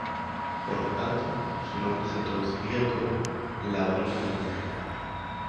Por lo tanto, su nombre se traduciría como "la varona magnífica".